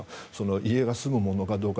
家は住むものかどうか。